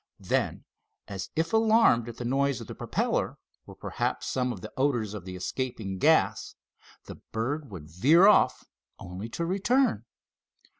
Then, as if alarmed at the noise of the propeller, or perhaps some of the odors of the escaping gas, the bird would veer off, only to return.